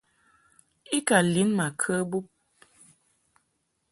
I ka lin ma kə bub.